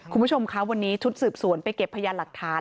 คุณผู้ชมคะวันนี้ชุดสืบสวนไปเก็บพยานหลักฐาน